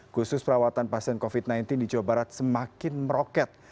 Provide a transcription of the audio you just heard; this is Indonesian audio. khusus perawatan pasien covid sembilan belas di jawa barat semakin meroket